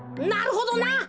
なるほどな！